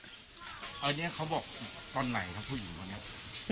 อันเนี้ยเขาบอกตอนไหนทั้งผู้หญิงตอนเนี้ย